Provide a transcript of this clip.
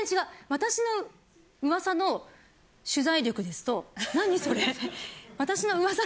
私の噂の取材力ですと。